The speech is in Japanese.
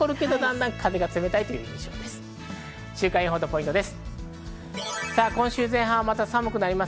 週間予報とポイントです。